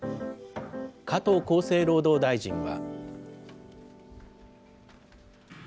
加藤厚生労働大臣は。